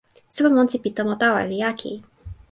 supa monsi pi tomo tawa li jaki.